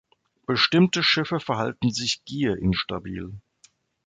Bestimmte Schiffe verhalten sich gier-instabil.